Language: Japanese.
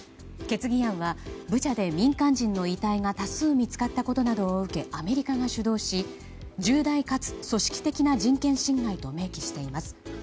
決議案はブチャで民間人の遺体が多数見つかったことなどを受けアメリカが主導し重大かつ組織的な人権侵害と明記しています。